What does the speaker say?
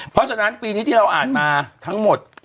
เพราะฉะนั้นปีนี้ที่เราอ่านมาทั้งหมด